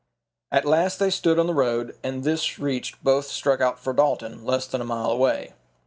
At last they stood on the road, and this reached both struck out for Dalton, less than a mile away.